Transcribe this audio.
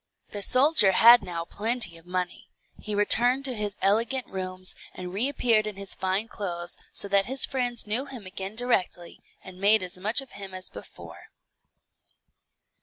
The soldier had now plenty of money; he returned to his elegant rooms, and reappeared in his fine clothes, so that his friends knew him again directly, and made as much of him as before.